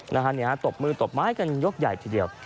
นะฮะเนี่ยตบมือตบไม้กันยกใหญ่ทีเดียว